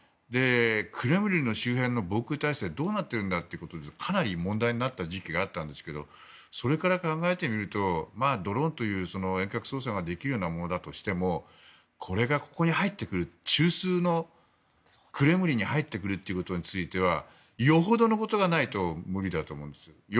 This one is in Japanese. クレムリンの周辺の防空体制どうなってるんだということでかなり問題になった事件があったんですがそれから考えてみるとドローンという遠隔操作ができるようなものだとしてもこれがここに入ってくる中枢のクレムリンに入ってくるということについてはよほどのことがないと無理だと思うんですよ。